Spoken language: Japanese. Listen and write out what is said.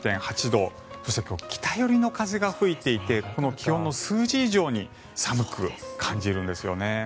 そして今日北寄りの風が吹いていてこの気温の数字以上に寒く感じるんですよね。